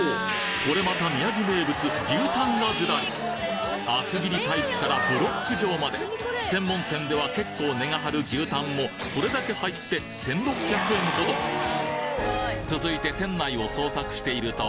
これまた宮城名物牛タンがズラリ厚切りタイプからブロック状まで専門店では結構値が張る牛タンをこれだけ入って１，６００円ほど続いて店内を捜索していると